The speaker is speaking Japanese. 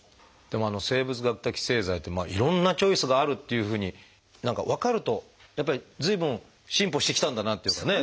でも生物学的製剤っていろんなチョイスがあるっていうふうに何か分かるとやっぱり随分進歩してきたんだなっていうかね